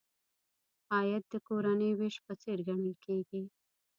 عاید د کورنۍ وېش په څېر ګڼل کیږي.